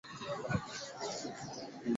Nyumba zimejengwa